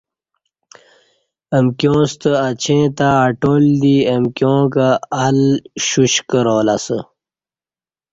امکیاں ستہ اچیں تہ اٹال ای، امکیاں کہ ال شوش کرالہ اسہ